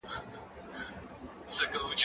زه پرون د کتابتوننۍ سره خبري وکړې!.